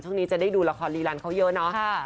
ช่วงนี้จะได้ดูละครรีรันเขาเยอะเนาะ